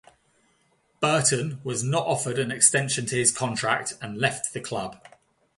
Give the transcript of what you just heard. Burton was not offered an extension to his contract and left the club.